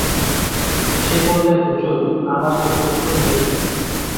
সে বললে, হুজুর, আমার তো কসুর নেই।